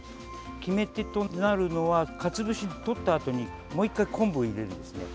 決め手となるのはかつお節をとったあとにもう１回、昆布を入れるんですね。